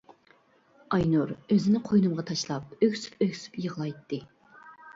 ئاينۇر ئۆزىنى قوينۇمغا تاشلاپ ئۆكسۈپ-ئۆكسۈپ يىغلايتتى.